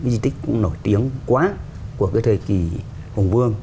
chỉ tích cũng nổi tiếng quá của cái thời kỳ hồng vương